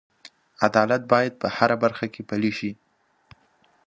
عدالت باید په هره برخه کې پلی شي.